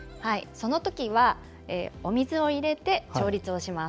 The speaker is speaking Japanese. そのときは、お水を入れて調律をします。